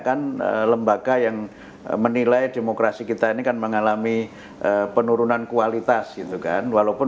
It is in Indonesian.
kan lembaga yang menilai demokrasi kita ini kan mengalami penurunan kualitas gitu kan walaupun